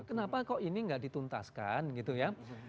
kenapa kok ini nggak dituntaskan gitu ya